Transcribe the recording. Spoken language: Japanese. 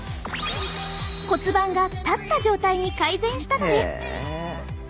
骨盤が立った状態に改善したのです。